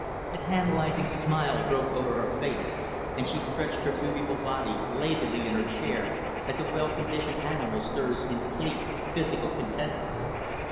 A tantalizing smile broke over her face, and she stretched her beautiful body lazily in her chair, as a well conditioned animal stirs in sleek, physical contentment.